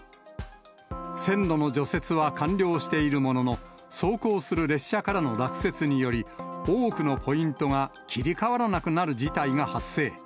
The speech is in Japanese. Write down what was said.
線路の除雪は完了しているものの、走行する列車からの落雪により、多くのポイントが切り替わらなくなる事態が発生。